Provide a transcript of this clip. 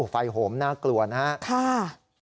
ฟัยโหมน่ากลัวนะครับค่ะ